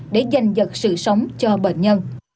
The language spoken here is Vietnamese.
để giành giật sự sống cho bệnh nhân